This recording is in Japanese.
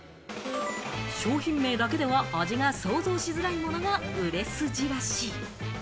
商品名だけでは味が想像しづらいものが売れ筋らしい。